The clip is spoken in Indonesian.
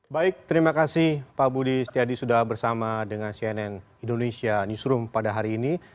baik terima kasih pak budi setiadi sudah bersama dengan cnn indonesia newsroom pada hari ini